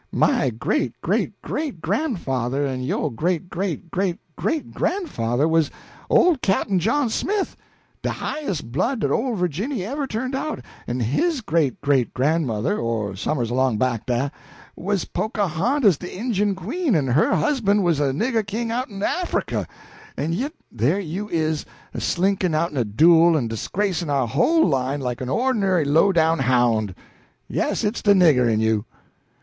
My great great great gran'father en yo' great great great great gran'father was Ole Cap'n John Smith, de highest blood dat Ole Virginny ever turned out, en his great great gran'mother or somers along back dah, was Pocahontas de Injun queen, en her husbun' was a nigger king outen Africa en yit here you is, a slinkin' outen a duel en disgracin' our whole line like a ornery low down hound! Yes, it's de nigger in you!"